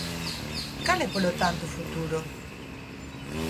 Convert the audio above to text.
¿Cal é polo tanto o futuro?